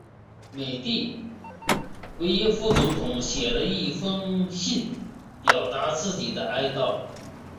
美的维耶夫总统写了一封信表达自己的哀悼。